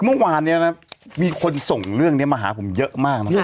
เมื่อวานนี้นะมีคนส่งเรื่องนี้มาหาผมเยอะมากนะ